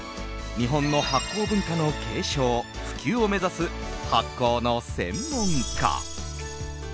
日本の発酵文化の継承普及を目指す発酵の専門家。